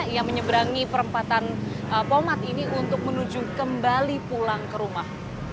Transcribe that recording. yang menyeberangi perempatan pomat ini untuk menuju kembali pulang ke rumah